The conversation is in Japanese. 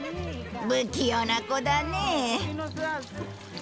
不器用な子だね。